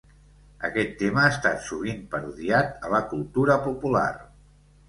Aquest tema ha estat sovint parodiat a la cultura popular.